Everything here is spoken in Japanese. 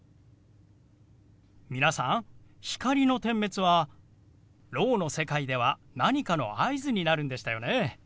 皆さん光の点滅はろうの世界では何かの合図になるんでしたよね。